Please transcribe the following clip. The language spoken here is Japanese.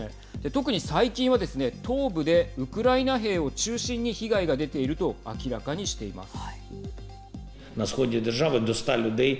特に最近はですね東部でウクライナ兵を中心に被害が出ていると明らかにしています。